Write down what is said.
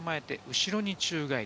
後ろに宙返り。